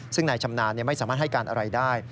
ซึ่งนายชำนาญไม่สามารถให้การอะไรได้